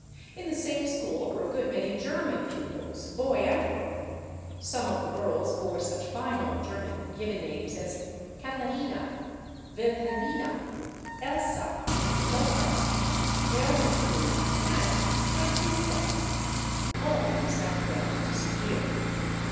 In the same school were a good many German pupils, boy and girl. Some of the girls bore such fine old German given names as /Katharina/, /Wilhelmina/, /Elsa/, /Lotta/, /Ermentrude/ and /Frankziska/. All these have begun to disappear.